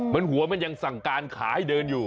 มันหัวมันยังสั่งการขาให้เดินอยู่